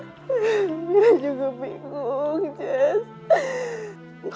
mir juga bingung jess